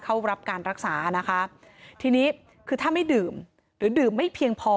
เข้ารับการรักษานะคะทีนี้คือถ้าไม่ดื่มหรือดื่มไม่เพียงพอ